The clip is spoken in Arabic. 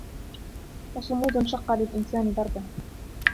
و صمود شق للإنسان دربه